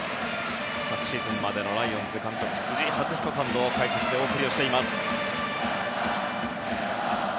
昨シーズンまでのライオンズ監督辻発彦さんの解説でお送りしています。